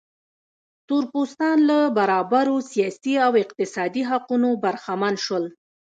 تور پوستان له برابرو سیاسي او اقتصادي حقونو برخمن شول.